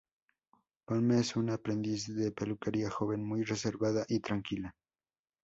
Pomme es una aprendiz de peluquería, joven muy reservada y tranquila.